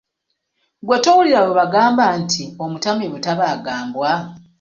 Ggwe towulira bwe bagamba nti, omutamiivu tabaaga mbwa?